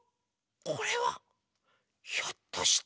これはひょっとして。